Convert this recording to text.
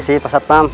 persis pak satpam